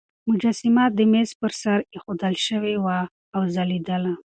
مجسمه د مېز پر سر ایښودل شوې وه او ځلېدله.